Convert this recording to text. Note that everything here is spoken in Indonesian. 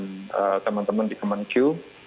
dan teman teman di kemencu